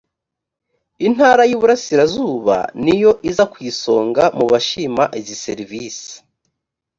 intara y iburasirazuba niyo iza ku isonga mu bashima izi serivisi